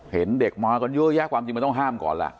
เห็นเด็กมากันเยอะแยะความจริงมันต้องห้ามก่อนล่ะ